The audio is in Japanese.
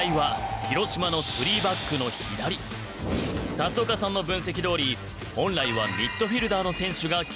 龍岡さんの分析どおり本来はミッドフィルダーの選手が起用されていた。